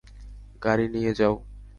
গাড়ি নিয়ে যাও।